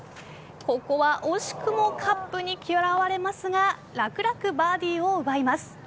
ここは惜しくもカップに嫌われますが楽々バーディーを奪います。